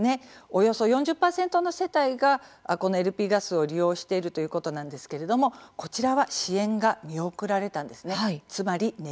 およそ４０％の世帯がこのＬＰガスを利用しているということなんですけれどもこちらは支援が見送られたんです。